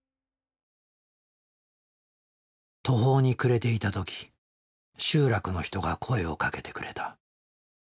途方に暮れていた時集落の人が声をかけてくれた。